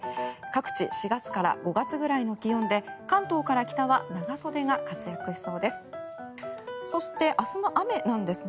各地４月から５月くらいの気温で関東から北は長袖が活躍しそうです。